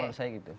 menurut saya gitu